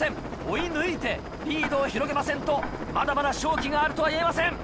追い抜いてリードを広げませんとまだまだ勝機があるとは言えません。